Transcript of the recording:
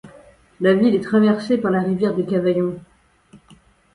La ville est traversée par la rivière de Cavaillon.